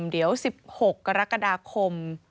เดี๋ยว๑๖กรกฎาคม